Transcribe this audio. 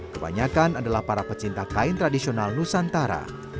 kebanyakan adalah para pecinta kain tradisional nusantara